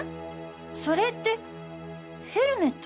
それってヘルメット？